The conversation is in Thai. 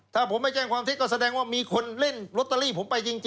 ถ้าผมไม่แจ้งความเท็จก็แสดงว่ามีคนเล่นลอตเตอรี่ผมไปจริง